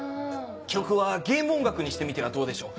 曲はゲーム音楽にしてみてはどうでしょう。